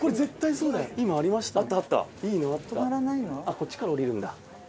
こっちから降りるんだ。